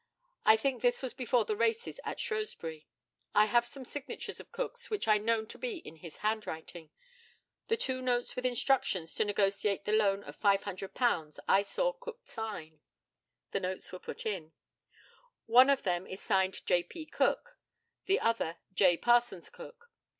I think this was before the races at Shrewsbury. I have some signatures of Cook's which I know to be in his handwriting. The two notes with instructions to negotiate the loan of £500, I saw Cook sign. [The notes were put in.] One of them is signed "J. P. Cook," the other "J. Parsons Cook."